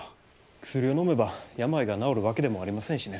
薬をのめば病が治るわけでもありませんしね。